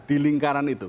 di lingkaran itu